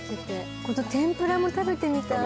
この天ぷらも食べてみたい。